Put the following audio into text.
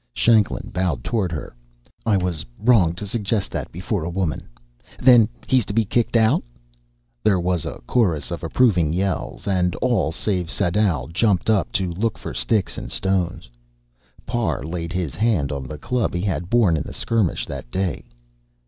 Shanklin bowed toward her. "I was wrong to suggest that before a woman. Then he's to be kicked out?" There was a chorus of approving yells, and all save Sadau jumped up to look for sticks and stones. Parr laid his hand on the club he had borne in the skirmish that day.